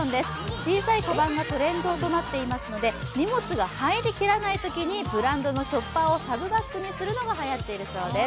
小さいかばんがトレンドとなっていますので荷物が入りきらないときにブランドのショッパーをサブバッグにするのがはやっているそうです。